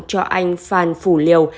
cho anh phan phủ liều